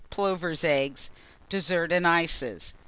Plover's Eggs. DESSERT AND ICES.